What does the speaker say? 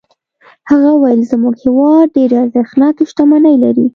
هغه وویل زموږ هېواد ډېرې ارزښتناکې شتمنۍ لري.